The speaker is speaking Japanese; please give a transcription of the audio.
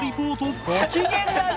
ご機嫌だね。